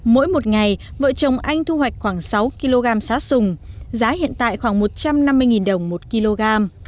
mỗi một ngày vợ chồng anh thu hoạch khoảng sáu kg xá sùng giá hiện tại khoảng một trăm năm mươi đồng một kg